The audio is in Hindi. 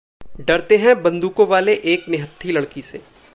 डरते हैं बंदूकों वाले एक निहत्थी लड़की से